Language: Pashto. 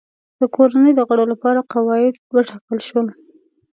د کورنۍ د غړو لپاره قواعد وټاکل شول.